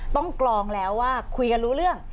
กรองแล้วว่าคุยกันรู้เรื่อง